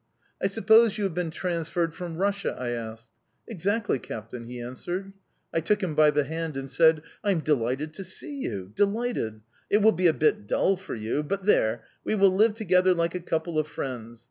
"'I suppose you have been transferred from Russia?' I asked. "'Exactly, captain,' he answered. "I took him by the hand and said: "'I'm delighted to see you delighted! It will be a bit dull for you... but there, we will live together like a couple of friends.